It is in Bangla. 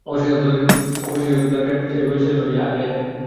অবশেষে, ওকে দ্বারকায় পাঠায় আর এভাবেই সেটেল হয়ে যায়, আজাইরা।